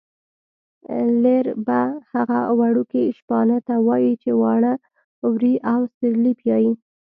لېربه هغه وړکي شپانه ته وايي چې واړه وري او سېرلی پیایي.